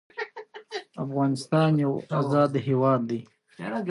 افغانستان د تالابونه له پلوه متنوع دی.